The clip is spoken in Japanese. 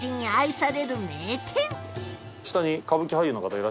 はい。